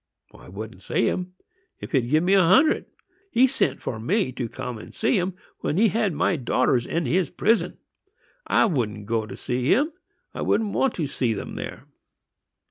I wouldn't see him, if he'd give me a hundred! He sent for me to come and see him, when he had my daughters in his prison. I wouldn't go to see him,—I didn't want to see them there!"